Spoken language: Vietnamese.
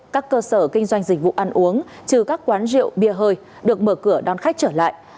các cơ sở kinh doanh dịch vụ ăn uống trừ các quán rượu bia hơi được mở cửa đón khách trở lại